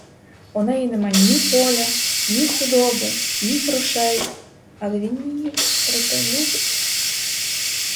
У неї нема ні поля, ні худоби, ні грошей, але він її, проте, любить.